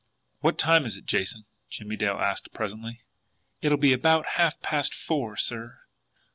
"What time is it, Jason?" Jimmie Dale asked presently. "It'll be about half past four, sir."